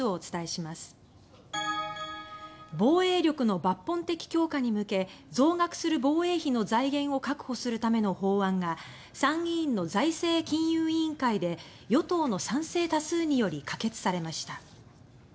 防衛力の抜本的強化に向け増額する防衛費の財源を確保する為の法案が参議院の財政金融委員会で与党の賛成多数により可決されました。